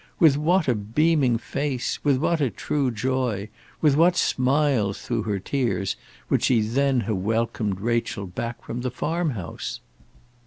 With what a beaming face, with what a true joy, with what smiles through her tears, would she then have welcomed Rachel back from the farm house!